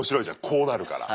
こうなるから。